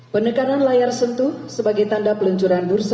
pendekanan layar sentuh sebagai tanda peluang untuk pemerintahan indonesia